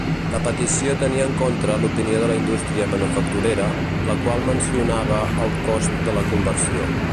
La petició tenia en contra l'opinió de la indústria manufacturera, la qual mencionava el cost de la conversió.